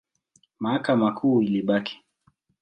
Mahakama Kuu ilibaki.